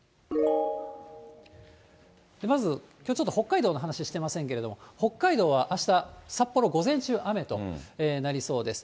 まず、きょう、ちょっと北海道の話してませんけれども、北海道はあした、札幌、午前中雨となりそうです。